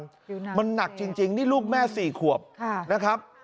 อยู่นั่งมันหนักจริงจริงนี่ลูกแม่สี่ขวบค่ะนะครับ